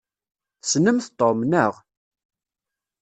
Tessnemt Tom, naɣ?